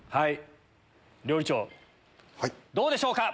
料理長どうでしょうか？